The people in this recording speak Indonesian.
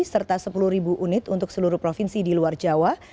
serta sepuluh unit untuk seluruh provinsi di luar jawa